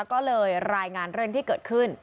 ก็เลยรายงานเรื่องที่เกิดขึ้น